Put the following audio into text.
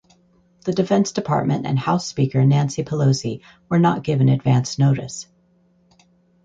The Defense Department and House Speaker Nancy Pelosi were not given advance notice.